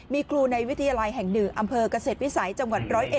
มีครูในวิทยาลัยแห่ง๑อำเภอกเกษตรวิสัยจังหวัด๑๐๑